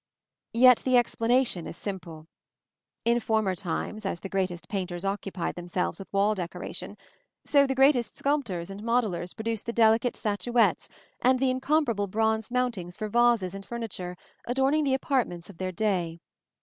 Yet the explanation is simple. In former times, as the greatest painters occupied themselves with wall decoration, so the greatest sculptors and modellers produced the delicate statuettes and the incomparable bronze mountings for vases and furniture adorning the apartments of their day.